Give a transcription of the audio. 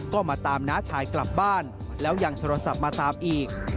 ก็มาตามน้าชายกลับบ้านแล้วยังโทรศัพท์มาตามอีก